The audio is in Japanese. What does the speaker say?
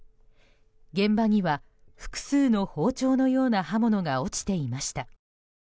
現場には複数の包丁のような刃物が落ちていました。